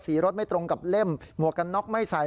รถไม่ตรงกับเล่มหมวกกันน็อกไม่ใส่